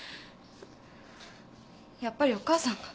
やっぱりお母さんが。